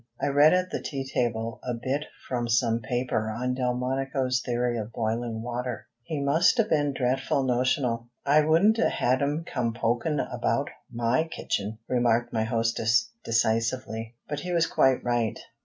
I read at the tea table a bit from some paper on Delmonico's theory of boiling water. "He must a' been dretful notional. I wouldn't a' had him come pokin' about my kitchen," remarked my hostess, decisively. "But he was quite right.